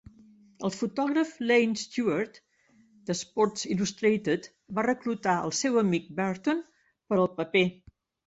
El fotògraf Lane Stewart, d'Sports Illustrated, va reclutar el seu amic Berton per al paper.